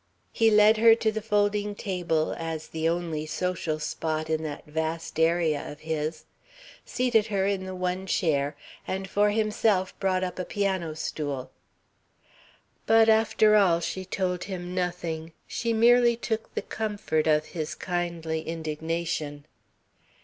He led her to the folding table, as the only social spot in that vast area of his, seated her in the one chair, and for himself brought up a piano stool. But after all she told him nothing. She merely took the comfort of his kindly indignation.